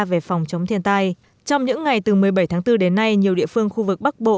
về phòng chống thiên tai trong những ngày từ một mươi bảy tháng bốn đến nay nhiều địa phương khu vực bắc bộ